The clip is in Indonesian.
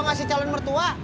ngasih calon mertua